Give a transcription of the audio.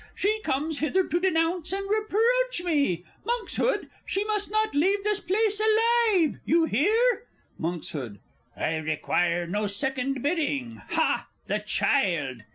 She comes hither to denounce and reproach me! Monkshood, she must not leave this place alive you hear? Monks. I require no second bidding ha, the child